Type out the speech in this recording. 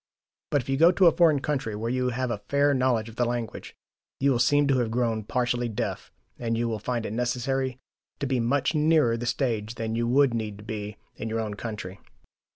But if you go in a foreign country where you have a fair knowledge of the language, you will seem to have grown partially deaf, and you will find it necessary to be much nearer the stage than you would need to be in your own country.